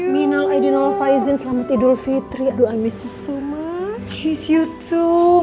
maaf lahir batin juga ya sayang